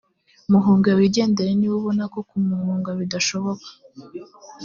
muhunge wigendere niba ubona ko kumuhunga bidashoboka